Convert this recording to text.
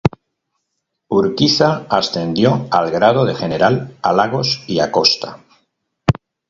Urquiza ascendió al grado de general a Lagos y a Costa.